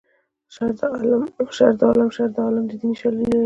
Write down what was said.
شر د عالم شر د عالم دیني شالید لري